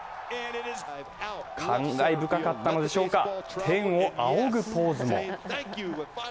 感慨深かったのでしょうか、天を仰ぐポーズも。